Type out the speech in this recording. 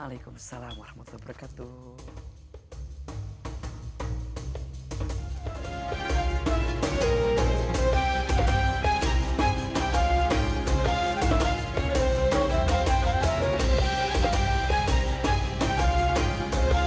waalaikumsalam warahmatullahi wabarakatuh